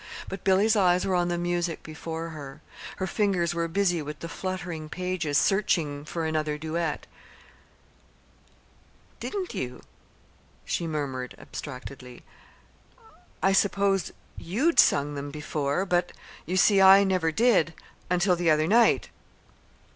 But Billy's eyes were on the music before her. Her fingers were busy with the fluttering pages, searching for another duet. "Didn't you?" she murmured abstractedly. "I supposed you'd sung them before; but you see I never did until the other night.